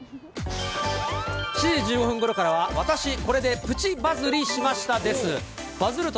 ７時１５分ごろからは、私、これでプチバズりしましたです。